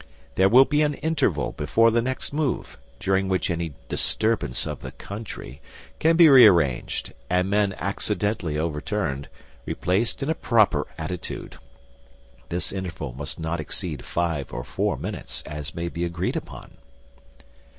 There will be an interval before the next move, during which any disturbance of the Country can be rearranged and men accidentally overturned replaced in a proper attitude. This interval must not exceed five or four minutes, as may be agreed upon.